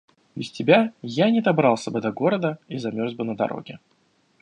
Без тебя я не добрался бы до города и замерз бы на дороге».